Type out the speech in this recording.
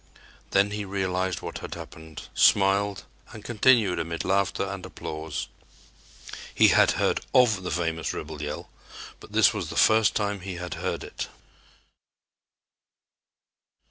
Then he realized what had happened, smiled and continued amid laughter and applause. He had heard of the famous "rebel yell," but this was the first time he had heard it.